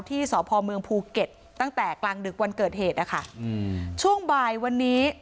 ที่สพเมืองภูเก็ตตั้งแต่กลางดึกวันเกิดเหตุนะคะอืมช่วงบ่ายวันนี้